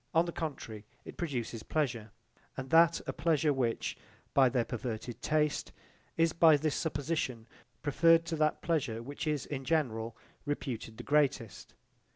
On the contrary it produces pleasure, and that a pleasure which, by their perverted taste, is by this supposition preferred to that pleasure which is in general reputed the greatest.